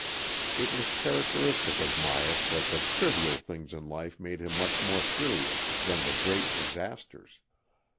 It was characteristic of Myas that the trivial things in life made him much more furious than the great disasters.